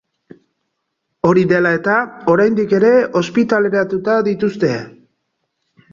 Hori dela eta, oraindik ere ospitaleratuta dituzte.